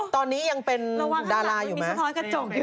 ตอนนี้ยังเป็นดาราอยู่มั้ย